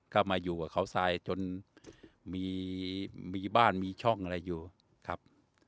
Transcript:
ก็มาอยู่กับเขาทรายจนมีบ้านมีช่องอะไรอยู่ครับ